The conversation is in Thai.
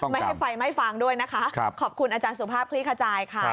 ไม่ให้ไฟไหม้ฟางด้วยนะคะขอบคุณอาจารย์สุภาพคลี่ขจายค่ะ